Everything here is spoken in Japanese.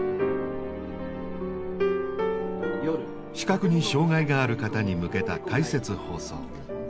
視覚に障害がある方に向けた「解説放送」。